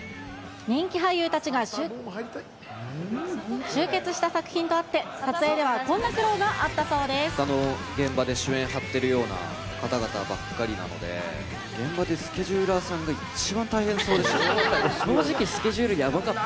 人気俳優たちが集結した作品とあって、撮影ではこんな苦労がほかの現場で主演張ってるような方々ばっかりなので、現場でスケジューラーさんが一番大変そ正直スケジュールやばかった。